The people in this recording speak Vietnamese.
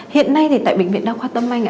hiện nay tại bệnh viện đa khoa tâm anh